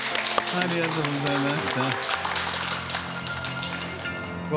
ありがとうございます。